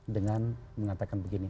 dengan mengatakan begini